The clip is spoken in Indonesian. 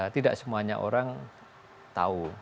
tidak semuanya orang tahu